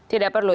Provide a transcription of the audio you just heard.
tidak perlu ya